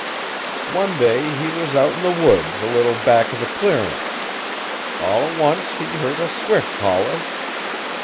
'One day he was out in the woods a little back o' the clearin'. All t' once he heard a swift holler.